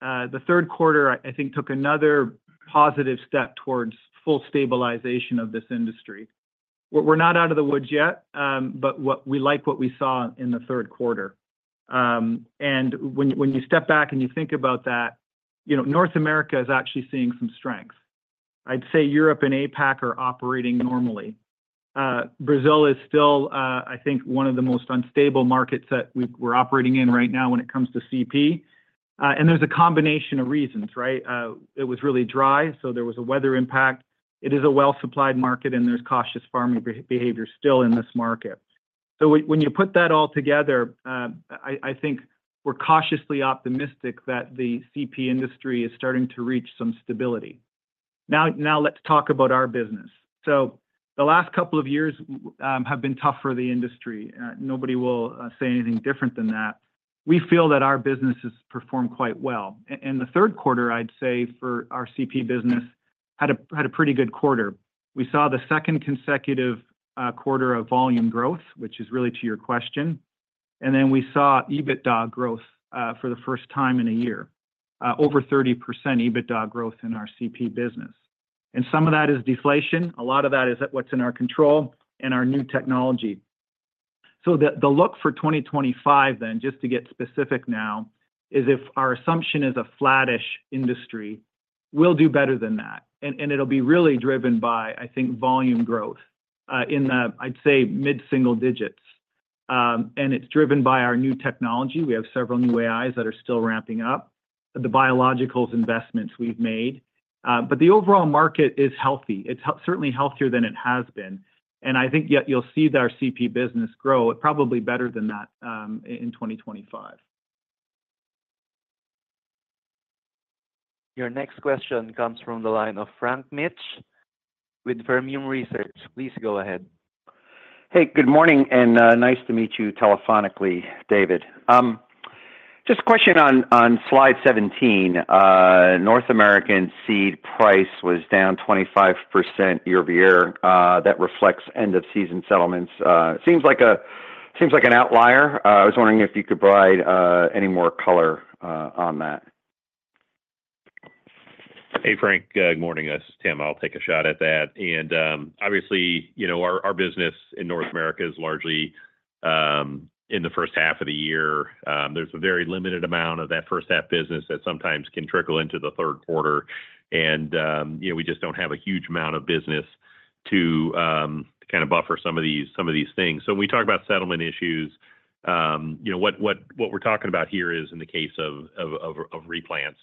the third quarter, I think, took another positive step towards full stabilization of this industry. We're not out of the woods yet, but we like what we saw in the third quarter, and when you step back and you think about that, North America is actually seeing some strength. I'd say Europe and APAC are operating normally. Brazil is still, I think, one of the most unstable markets that we're operating in right now when it comes to CP, and there's a combination of reasons, right? It was really dry, so there was a weather impact. It is a well-supplied market, and there's cautious farming behavior still in this market. So when you put that all together, I think we're cautiously optimistic that the CP industry is starting to reach some stability. Now, let's talk about our business. So the last couple of years have been tough for the industry. Nobody will say anything different than that. We feel that our business has performed quite well. And the third quarter, I'd say, for our CP business had a pretty good quarter. We saw the second consecutive quarter of volume growth, which is really to your question. And then we saw EBITDA growth for the first time in a year, over 30% EBITDA growth in our CP business. And some of that is deflation. A lot of that is what's in our control and our new technology. So the look for 2025, then, just to get specific now, is if our assumption is a flattish industry, we'll do better than that. And it'll be really driven by, I think, volume growth in the, I'd say, mid-single digits. And it's driven by our new technology. We have several new AIs that are still ramping up, the biologicals investments we've made. But the overall market is healthy. It's certainly healthier than it has been. And I think you'll see our CP business grow probably better than that in 2025. Your next question comes from the line of Frank Mitsch with Fermium Research. Please go ahead. Hey, good morning, and nice to meet you telephonically, David. Just a question on slide 17. North American seed price was down 25% year-over-year. That reflects end-of-season settlements. Seems like an outlier. I was wondering if you could provide any more color on that. Hey, Frank, good morning. This is Tim. I'll take a shot at that. And obviously, our business in North America is largely in the first half of the year. There's a very limited amount of that first-half business that sometimes can trickle into the third quarter. And we just don't have a huge amount of business to kind of buffer some of these things. So when we talk about settlement issues, what we're talking about here is in the case of replants.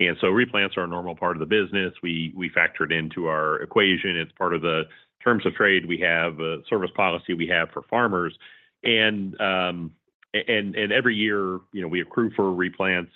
And so replants are a normal part of the business. We factor it into our equation. It's part of the terms of trade we have, the service policy we have for farmers. And every year, we accrue for replants.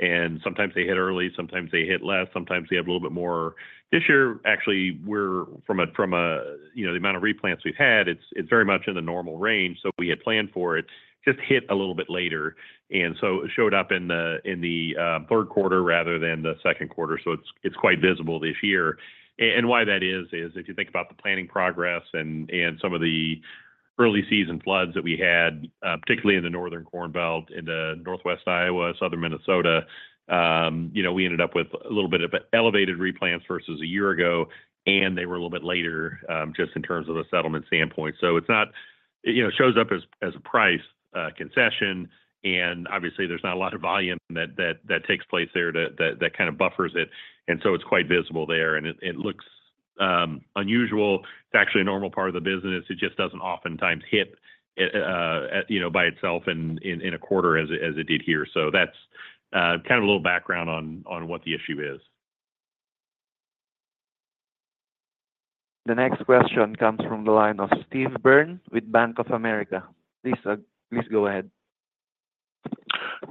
And sometimes they hit early, sometimes they hit less, sometimes they have a little bit more. This year, actually, from the amount of replants we've had, it's very much in the normal range. So we had planned for it, just hit a little bit later. And so it showed up in the third quarter rather than the second quarter. So it's quite visible this year. And why that is, is if you think about the planting progress and some of the early season floods that we had, particularly in the northern Corn Belt and the northwest Iowa, southern Minnesota, we ended up with a little bit of elevated replants versus a year ago, and they were a little bit later just in terms of the settlement standpoint. So it shows up as a price concession. And obviously, there's not a lot of volume that takes place there that kind of buffers it. And so it's quite visible there. And it looks unusual. It's actually a normal part of the business. It just doesn't oftentimes hit by itself in a quarter as it did here. So that's kind of a little background on what the issue is. The next question comes from the line of Steve Byrne with Bank of America. Please go ahead.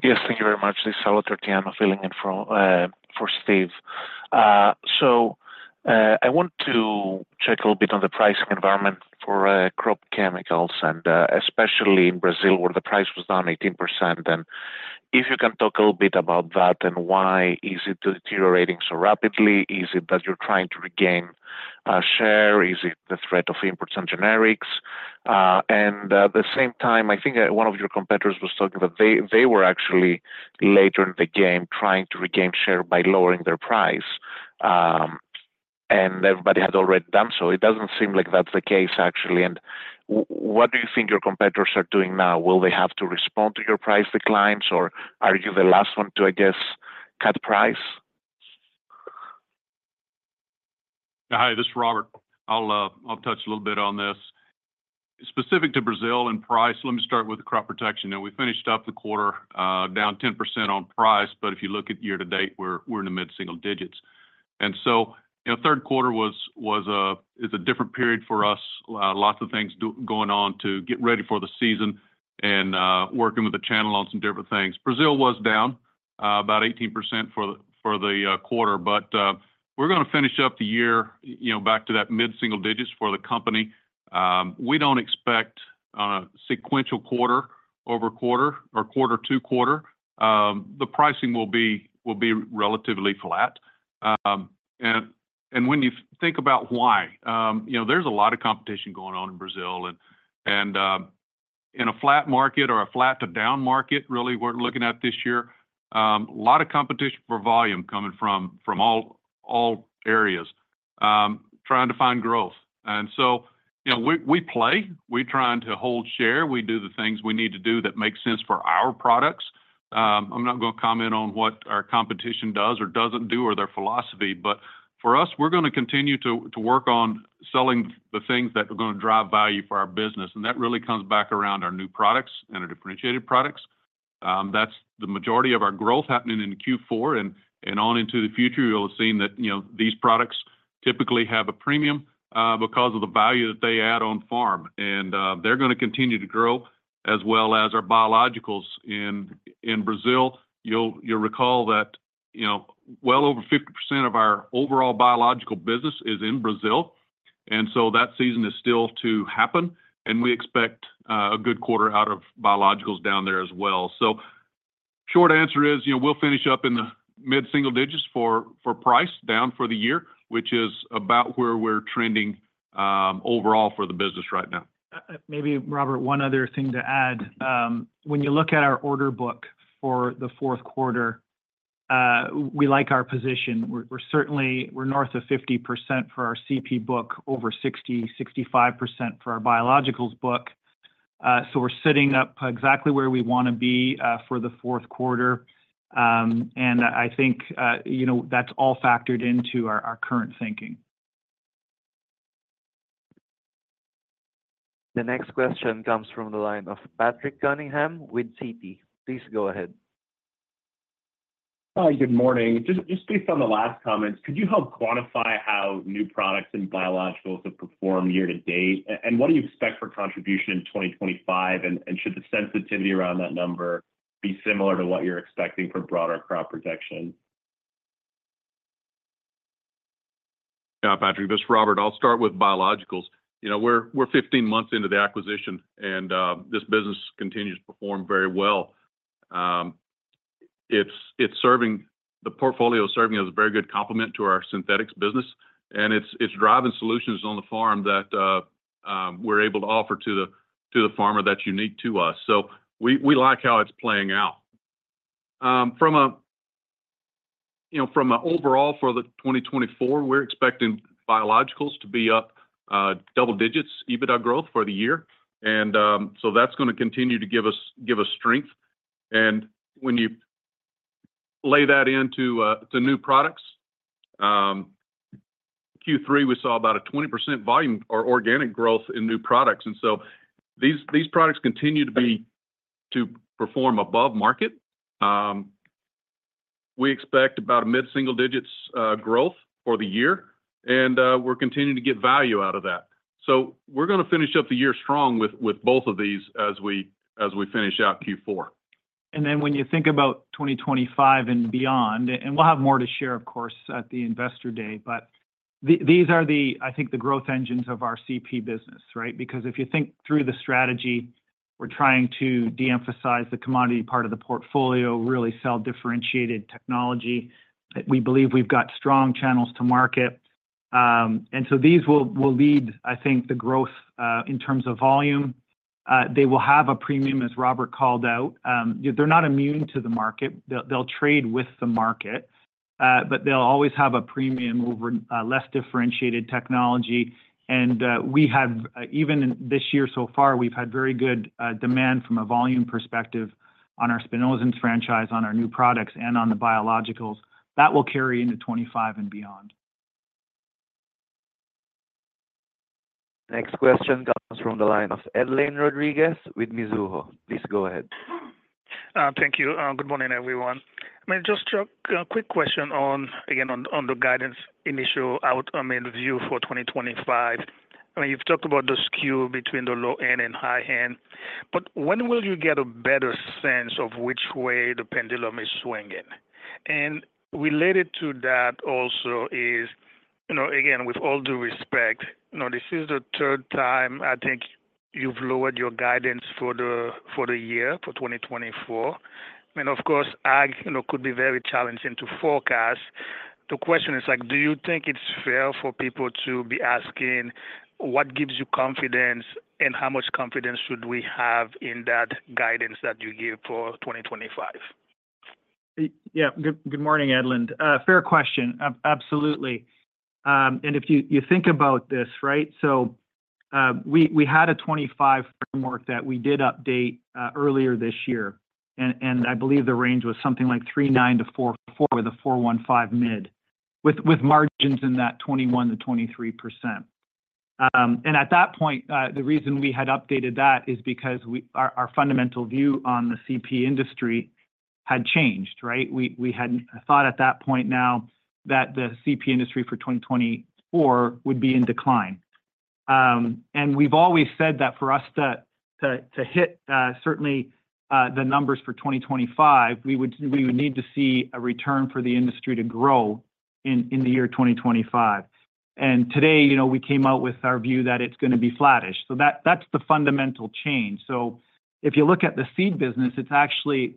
Yes, thank you very much. This is Alec Turturro filling in for Steve. So I want to check a little bit on the pricing environment for crop chemicals, and especially in Brazil, where the price was down 18%. And if you can talk a little bit about that and why is it deteriorating so rapidly? Is it that you're trying to regain share? Is it the threat of imports and generics? And at the same time, I think one of your competitors was talking that they were actually later in the game trying to regain share by lowering their price. And everybody had already done so. It doesn't seem like that's the case, actually. And what do you think your competitors are doing now? Will they have to respond to your price declines, or are you the last one to, I guess, cut price? Hi, this is Robert. I'll touch a little bit on this. Specific to Brazil and price, let me start with crop protection, and we finished up the quarter down 10% on price, but if you look at year to date, we're in the mid-single digits, and so third quarter is a different period for us. Lots of things going on to get ready for the season and working with the channel on some different things. Brazil was down about 18% for the quarter, but we're going to finish up the year back to that mid-single digits for the company. We don't expect a sequential quarter over quarter or quarter to quarter. The pricing will be relatively flat, and when you think about why, there's a lot of competition going on in Brazil. In a flat market or a flat to down market, really, we're looking at this year, a lot of competition for volume coming from all areas trying to find growth. So we play. We're trying to hold share. We do the things we need to do that make sense for our products. I'm not going to comment on what our competition does or doesn't do or their philosophy. For us, we're going to continue to work on selling the things that are going to drive value for our business. That really comes back around our new products and our differentiated products. That's the majority of our growth happening in Q4. On into the future, you'll have seen that these products typically have a premium because of the value that they add on farm. And they're going to continue to grow as well as our biologicals in Brazil. You'll recall that well over 50% of our overall biological business is in Brazil. And so that season is still to happen. And we expect a good quarter out of biologicals down there as well. So short answer is we'll finish up in the mid-single digits for price down for the year, which is about where we're trending overall for the business right now. Maybe, Robert, one other thing to add. When you look at our order book for the fourth quarter, we like our position. We're north of 50% for our CP book, over 60-65% for our biologicals book. So we're sitting up exactly where we want to be for the fourth quarter. And I think that's all factored into our current thinking. The next question comes from the line of Patrick Cunningham with Citi. Please go ahead. Hi, good morning. Just based on the last comments, could you help quantify how new products and biologicals have performed year to date? And what do you expect for contribution in 2025? And should the sensitivity around that number be similar to what you're expecting for broader crop protection? Patrick, this is Robert. I'll start with biologicals. We're 15 months into the acquisition, and this business continues to perform very well. The portfolio is serving as a very good complement to our synthetics business, and it's driving solutions on the farm that we're able to offer to the farmer that's unique to us, so we like how it's playing out. From an overall for the 2024, we're expecting biologicals to be up double digits EBITDA growth for the year, and so that's going to continue to give us strength, and when you lay that into new products, Q3, we saw about a 20% volume or organic growth in new products, and so these products continue to perform above market. We expect about mid-single digits growth for the year, and we're continuing to get value out of that. So we're going to finish up the year strong with both of these as we finish out Q4. And then when you think about 2025 and beyond, and we'll have more to share, of course, at the investor day, but these are, I think, the growth engines of our CP business, right? Because if you think through the strategy, we're trying to de-emphasize the commodity part of the portfolio, really sell differentiated technology. We believe we've got strong channels to market. And so these will lead, I think, the growth in terms of volume. They will have a premium, as Robert called out. They're not immune to the market. They'll trade with the market, but they'll always have a premium over less differentiated technology. And even this year so far, we've had very good demand from a volume perspective on our Spinosyns franchise, on our new products, and on the biologicals that will carry into 2025 and beyond. Next question comes from the line of Edlain Rodriguez with Mizuho. Please go ahead. Thank you. Good morning, everyone. Just a quick question on, again, on the guidance initial outcome and view for 2025. You've talked about the skew between the low-end and high-end. But when will you get a better sense of which way the pendulum is swinging? And related to that also is, again, with all due respect, this is the third time, I think, you've lowered your guidance for the year for 2024. And of course, it could be very challenging to forecast. The question is, do you think it's fair for people to be asking what gives you confidence and how much confidence should we have in that guidance that you give for 2025? Yeah. Good morning, Edlain. Fair question. Absolutely. And if you think about this, right, so we had a 2025 framework that we did update earlier this year. And I believe the range was something like 3.9-4.4 with a 4.15 mid with margins in that 21%-23%. And at that point, the reason we had updated that is because our fundamental view on the CP industry had changed, right? We had thought at that point now that the CP industry for 2024 would be in decline. And we've always said that for us to hit certainly the numbers for 2025, we would need to see a return for the industry to grow in the year 2025. And today, we came out with our view that it's going to be flattish. So that's the fundamental change. So if you look at the seed business, it's actually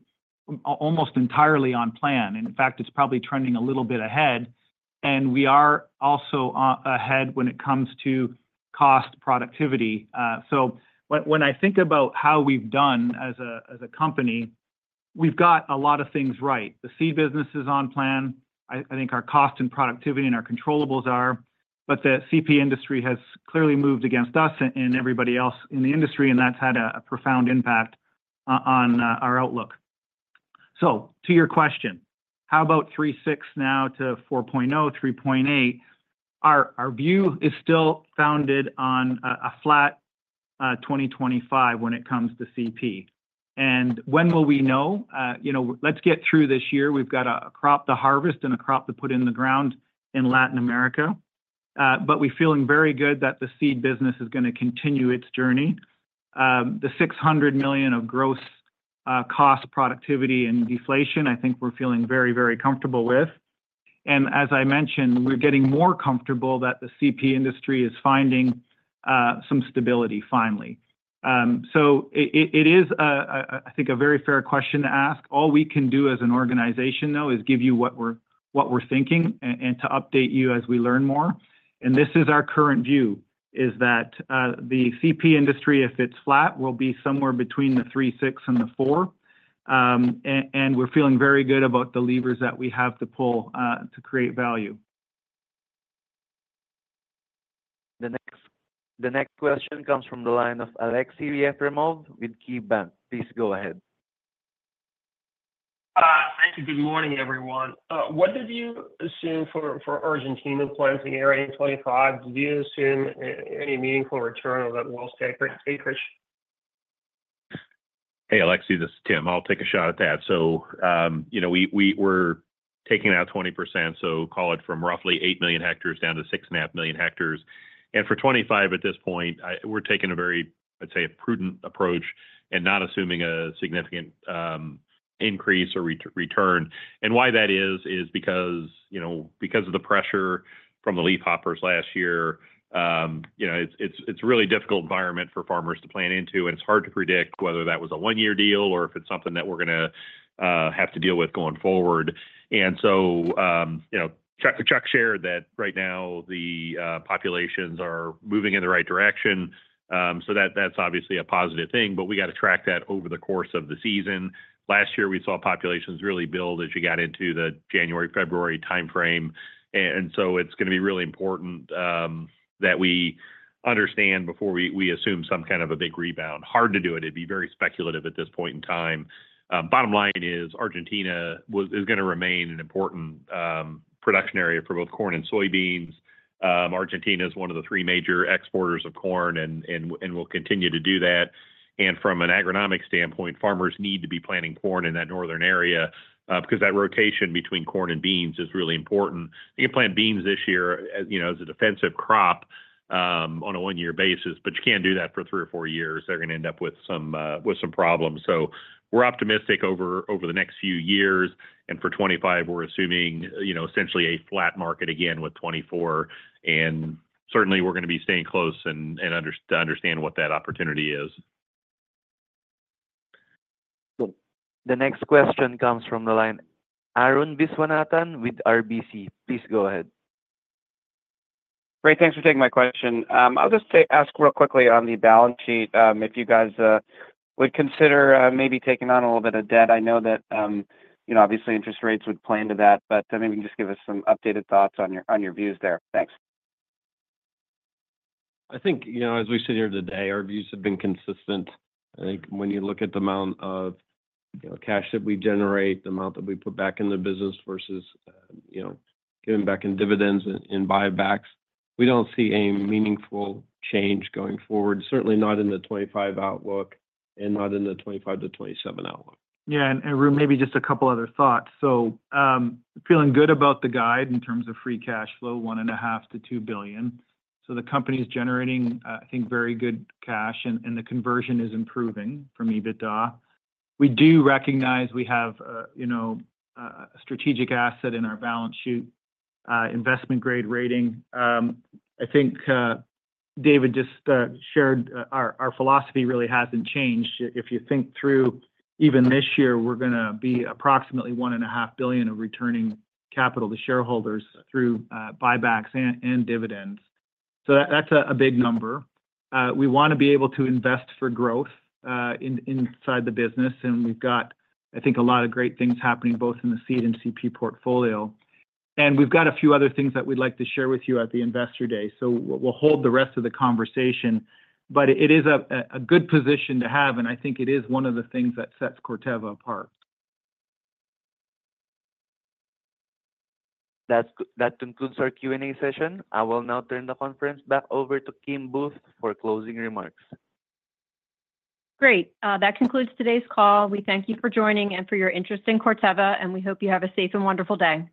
almost entirely on plan. In fact, it's probably trending a little bit ahead. And we are also ahead when it comes to cost productivity. So when I think about how we've done as a company, we've got a lot of things right. The seed business is on plan. I think our cost and productivity and our controllable are. But the CP industry has clearly moved against us and everybody else in the industry. And that's had a profound impact on our outlook. So to your question, how about 3.6 now to 4.0, 3.8? Our view is still founded on a flat 2025 when it comes to CP. And when will we know? Let's get through this year. We've got a crop to harvest and a crop to put in the ground in Latin America. We're feeling very good that the seed business is going to continue its journey. The $600 million of gross cost productivity and deflation, I think we're feeling very, very comfortable with. As I mentioned, we're getting more comfortable that the CP industry is finding some stability finally. It is, I think, a very fair question to ask. All we can do as an organization, though, is give you what we're thinking and to update you as we learn more. This is our current view, is that the CP industry, if it's flat, will be somewhere between the $3.6 billion and the $4 billion. We're feeling very good about the levers that we have to pull to create value. The next question comes from the line of Aleksey Yefremov with KeyBanc Capital Markets. Please go ahead. Thank you. Good morning, everyone. What did you assume for Argentina planting area in 2025? Did you assume any meaningful return on that well-stacked acreage? Hey, Aleksey, this is Tim. I'll take a shot at that. So we're taking out 20%, so call it from roughly 8 million hectares down to 6.5 million hectares. For 2025 at this point, we're taking a very, I'd say, a prudent approach and not assuming a significant increase or return. Why that is, is because of the pressure from the leafhoppers last year. It's a really difficult environment for farmers to plant into. It's hard to predict whether that was a one-year deal or if it's something that we're going to have to deal with going forward. Chuck shared that right now the populations are moving in the right direction. That's obviously a positive thing. We got to track that over the course of the season. Last year, we saw populations really build as you got into the January, February timeframe. And so it's going to be really important that we understand before we assume some kind of a big rebound. Hard to do it. It'd be very speculative at this point in time. Bottom line is Argentina is going to remain an important production area for both corn and soybeans. Argentina is one of the three major exporters of corn and will continue to do that. And from an agronomic standpoint, farmers need to be planting corn in that northern area because that rotation between corn and beans is really important. You can plant beans this year as a defensive crop on a one-year basis, but you can't do that for three or four years. They're going to end up with some problems. So we're optimistic over the next few years. And for 2025, we're assuming essentially a flat market again with 2024. Certainly, we're going to be staying close and understand what that opportunity is. The next question comes from the line of Arun Viswanathan with RBC. Please go ahead. Great. Thanks for taking my question. I'll just ask real quickly on the balance sheet if you guys would consider maybe taking on a little bit of debt. I know that obviously interest rates would play into that, but maybe you can just give us some updated thoughts on your views there. Thanks. I think as we sit here today, our views have been consistent. I think when you look at the amount of cash that we generate, the amount that we put back in the business versus giving back in dividends and buybacks, we don't see a meaningful change going forward, certainly not in the 2025 outlook and not in the 2025 to 2027 outlook. Yeah. And maybe just a couple other thoughts. So feeling good about the guide in terms of free cash flow, $1.5 billion-$2 billion. So the company is generating, I think, very good cash, and the conversion is improving from EBITDA. We do recognize we have a strategic asset in our balance sheet, investment-grade rating. I think David just shared our philosophy really hasn't changed. If you think through even this year, we're going to be approximately $1.5 billion of returning capital to shareholders through buybacks and dividends. So that's a big number. We want to be able to invest for growth inside the business. And we've got, I think, a lot of great things happening both in the seed and CP portfolio. And we've got a few other things that we'd like to share with you at the investor day. So we'll hold the rest of the conversation. But it is a good position to have. And I think it is one of the things that sets Corteva apart. That concludes our Q&A session. I will now turn the conference back over to Kim Booth for closing remarks. Great. That concludes today's call. We thank you for joining and for your interest in Corteva, and we hope you have a safe and wonderful day.